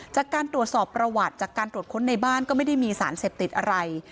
จากการตรวจสอบประวัติจากการตรวจค้นในบ้านก็ไม่ได้มีสารเสพติดอะไร